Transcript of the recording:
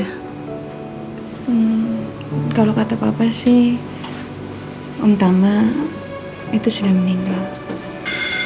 hmm kalo kata papa sih om tama itu sudah meninggal